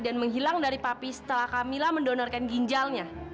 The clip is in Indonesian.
dan menghilang dari papi setelah kamila mendonorkan ginjalnya